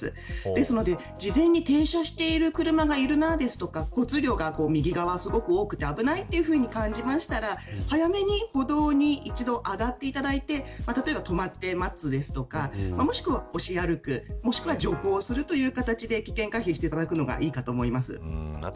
なので事前に停車している車があるなとか右側の交通量が多くて危ないと感じたら早めに歩道に一度上がっていただいて止まって待つとか押して歩くとか徐行するという形で危険回避をしていただくのがいいと思います。